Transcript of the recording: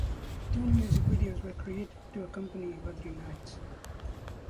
Two music videos were created to accompany "Wuthering Heights".